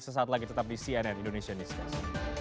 sesaat lagi tetap di cnn indonesia newscast